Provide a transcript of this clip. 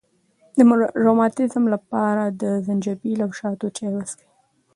د روماتیزم لپاره د زنجبیل او شاتو چای وڅښئ